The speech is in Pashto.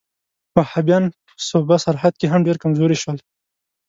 وهابیان په صوبه سرحد کې هم ډېر کمزوري شول.